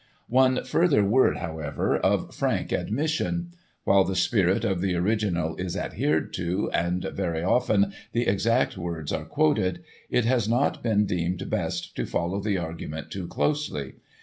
One further word, however, of frank admission. While the spirit of the original is adhered to, and very often the exact words are quoted, it has not been deemed best to follow the argument too closely.